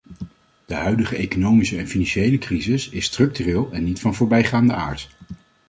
De huidige economische en financiële crisis is structureel en niet van voorbijgaande aard.